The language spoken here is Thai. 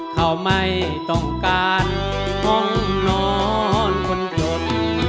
เขาไม่ต้องการห้องนอนคนจน